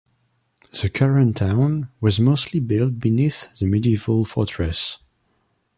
The current town was mostly built beneath the medieval fortress.